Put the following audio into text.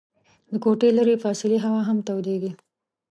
د کوټې لیري فاصلې هوا هم تودیږي.